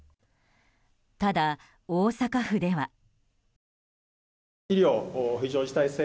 ただ、大阪府では。